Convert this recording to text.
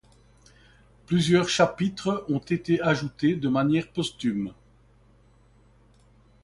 Plusieurs chapitres ont été ajoutés de manière posthume.